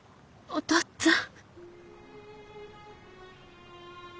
お父っつぁん！